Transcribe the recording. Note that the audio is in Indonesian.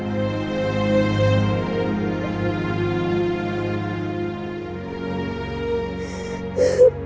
tapi sebelum gue pulang